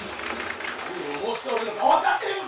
何を申しておるのか分かってるのか！